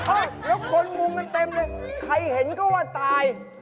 แล้วคนมุมกันเต็มเลยใครเห็นก็ว่าตาย